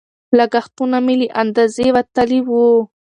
لګښتونه مې له اندازې وتلي وو.